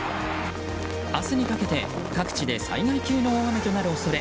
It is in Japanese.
明日にかけて各地で災害級の大雨となる恐れ。